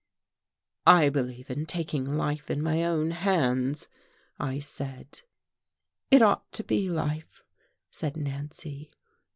"I believe in taking life in my own hands," I said. "It ought to be life," said Nancy.